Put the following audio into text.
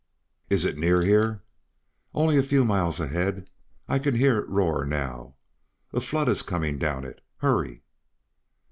"Is it near here?" "Only a few miles ahead. I can hear it roar now. A flood is coming down it. Hurry!"